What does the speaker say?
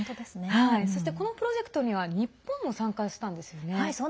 そして、このプロジェクトには日本も参加したんですよね。